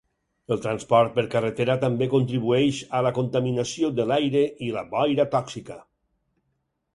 El transport per carretera també contribueix a la contaminació de l'aire i la boira tòxica.